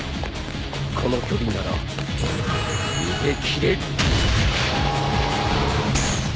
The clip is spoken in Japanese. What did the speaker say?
この距離なら逃げ切れる。